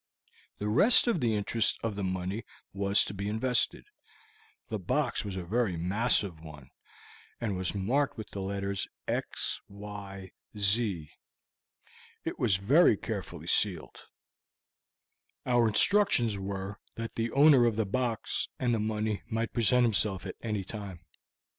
The rest of the interest of the money was to be invested. The box was a very massive one, and was marked with the letters XYZ. It was very carefully sealed. Our instructions were that the owner of the box and the money might present himself at any time."